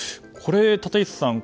立石さん